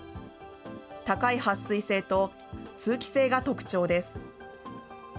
高いはっ水性と、通気性が特長です。